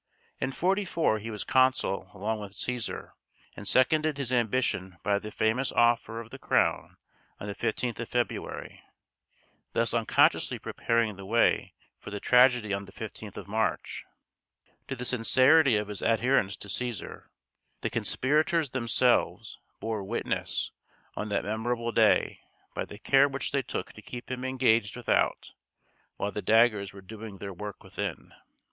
In 44 he was consul along with Cæsar, and seconded his ambition by the famous offer of the crown on the 15th of February, thus unconsciously preparing the way for the tragedy on the 15th of March. To the sincerity of his adherence to Cæsar, the conspirators themselves bore witness on that memorable day, by the care which they took to keep him engaged without, while the daggers were doing their work within.